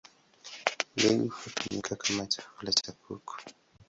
Mbegu hutumika kama chakula cha kuku.